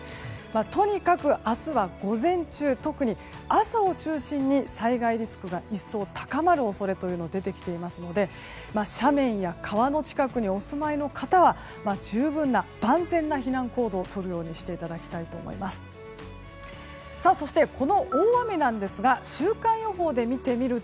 とにかく明日は午前中特に朝を中心に災害リスクが一層高まる恐れが出てきていますので斜面や川の近くにお住まいの方は十分な、万全な避難行動をとるようにしていただきたいと思います。